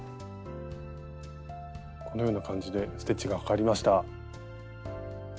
このような感じでステッチがかかりました。